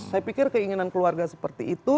saya pikir keinginan keluarga seperti itu